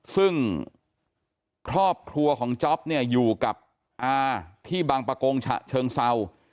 ซึ่งครอบครัวของจ๊อปเนี่ยอยู่กับอาที่บางประกงฉะเชิงเศร้า